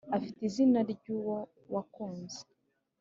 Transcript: Afit' izina ryiz' uwo wankunze.